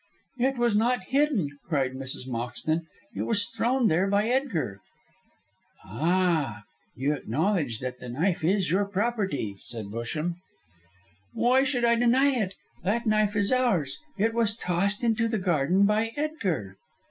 "It was not hidden," cried Mrs. Moxton. "It was thrown there by Edgar." "Ah! you acknowledge that the knife is your property," said Busham. "Why should I deny it? That knife is ours. It was tossed into the garden by Edgar."